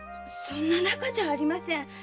そんな仲じゃありません。